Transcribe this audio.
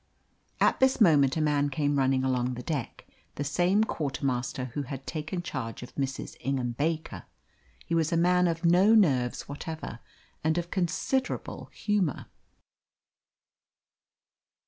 At this moment a man came running along the deck the same quartermaster who had taken charge of Mrs. Ingham Baker. He was a man of no nerves whatever, and of considerable humour.